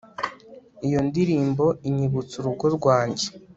Iyo ndirimbo inyibutsa urugo rwanjye